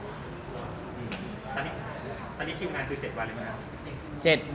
ตอนนี้คิวงานคือ๗วันหรือเปล่าครับ